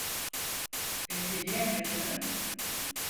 Peki ne yapacağım?